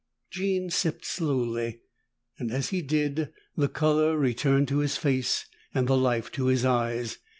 Jean sipped slowly, and as he did the color returned to his face and the life to his eyes.